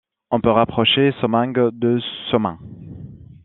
On peut rapprocher Sommaing de Somain.